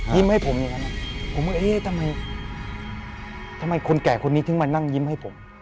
ยิ้มให้ผมอย่างนั้นทำไมคนแก่คนนี้ถึงมานั่งยิ้มให้ผม